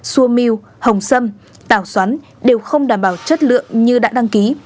sua mew hồng sâm tảo xoắn đều không đảm bảo chất lượng như đã đăng ký